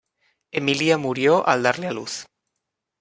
Emilia murió al darle a luz.